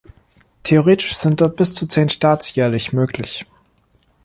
Theoretisch sind dort bis zu zehn Starts jährlich möglich.